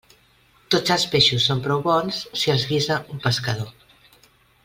Tots els peixos són prou bons si els guisa un pescador.